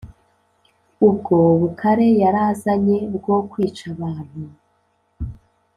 ubwo bukare yarazanye bwo kwica abantu